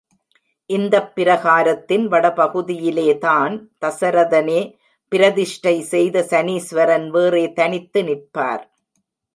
இந்தப்பிரகாரத்தின் வடபகுதியிலேதான், தசரதனே பிரதிஷ்டை செய்த சனிசுவரன் வேறே தனித்து நிற்பார்.